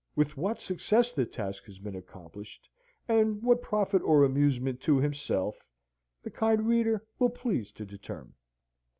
With what success the task has been accomplished, with what profit or amusement to himself, the kind reader will please to determine.